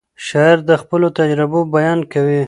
شاعر د خپلو تجربو بیان کوي.